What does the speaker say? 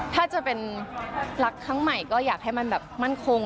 ถ้าจะเป็นรักครั้งใหม่ก็อยากให้มันแบบมั่นคง